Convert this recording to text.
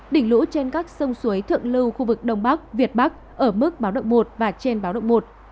đỉnh lũ trên các sông suối thượng lưu khu vực đông bắc việt bắc ở mức báo động một và trên báo động một